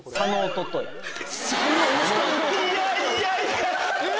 いやいやいや！